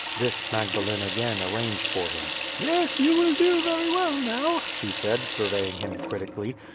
This Magdalene again arranged for him. "Yes, you will do very well now," she said, surveying him critically.